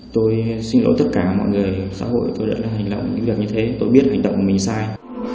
tôi xin lỗi tất cả mọi người xã hội tôi đã hành động những việc như thế tôi biết hành động của mình sai